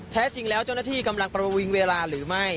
แท้จริงแล้วเจ้าหน้าที่กำลังประวิงเวลาหรือไม่